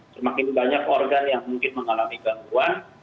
semakin banyak organ yang mungkin mengalami gangguan